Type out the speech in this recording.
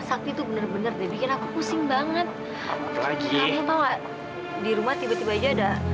saat itu bener bener deh bikin aku pusing banget apa lagi di rumah tiba tiba aja ada